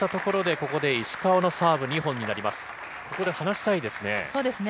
ここで離したいですね。